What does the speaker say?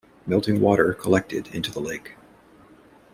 Melting water collected into the lake.